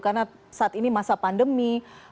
karena saat ini masa pandemi